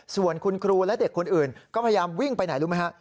ส่วนคุณครูและเด็กคนอื่นก็พยายามวิ่งไปไหนรู้ไหมฮะ